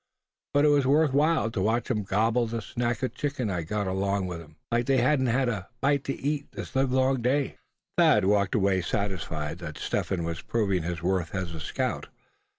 But it was worth while to watch 'em gobble the snack of chicken I got along with 'em, like they hadn't had a bite to eat this livelong day." Thad walked away, satisfied that Step Hen was proving his worth as a scout.